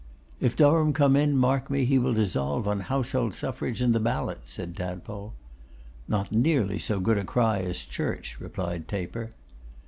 'If Durham come in, mark me, he will dissolve on Household Suffrage and the Ballot,' said Tadpole. 'Not nearly so good a cry as Church,' replied Taper.